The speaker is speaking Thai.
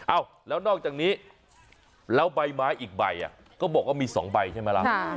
แล้วนอกจากนี้แล้วใบไม้อีกใบก็บอกว่ามี๒ใบใช่ไหมล่ะ